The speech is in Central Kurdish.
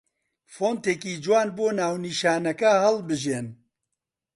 فۆنتێکی جوان بۆ ناونیشانەکە هەڵبژێن